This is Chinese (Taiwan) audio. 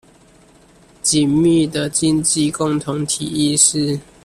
緊密的經濟共同體意識